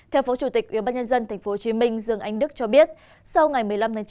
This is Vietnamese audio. theo phó chủ tịch y tế tp hcm dương anh đức cho biết sau ngày một mươi năm chín